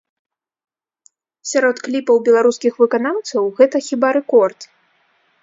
Сярод кліпаў беларускіх выканаўцаў гэта хіба рэкорд.